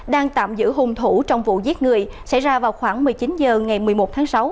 đang tạm giữ hung thủ trong vụ giết người xảy ra vào khoảng một mươi chín h ngày một mươi một tháng sáu